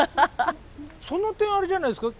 その点あれじゃないですか？